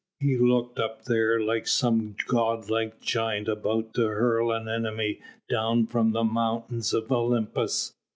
He looked up there like some god like giant about to hurl an enemy down from the mountains of Olympus.